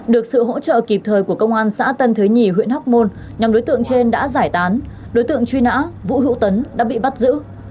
được sự hỗ trợ kịp thời của công an xã tân thới nhì huyện hóc môn nhóm đối tượng trên đã giải tán đối tượng truy nã vũ hữu tấn đã bị bắt giữ